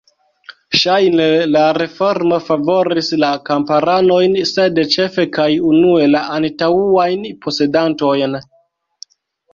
Ŝajne la reformo favoris la kamparanojn, sed ĉefe kaj unue la antaŭajn posedantojn.